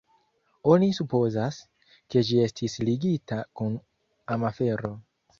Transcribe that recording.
Oni supozas, ke ĝi estis ligita kun amafero.